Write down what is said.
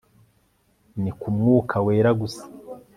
ni kumwuka wera gusa